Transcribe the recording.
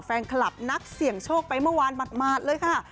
แฟนคลับนักเสี่ยงโชคไปเมื่อวานหมาดเลยค่ะ